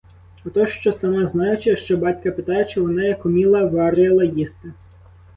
Отож, що сама знаючи, а що батька питаючи, — вона, як уміла, варила їсти.